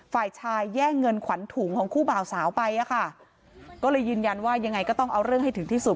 ฝ่ายชายแย่งเงินขวัญถุงของคู่บ่าวสาวไปอะค่ะก็เลยยืนยันว่ายังไงก็ต้องเอาเรื่องให้ถึงที่สุด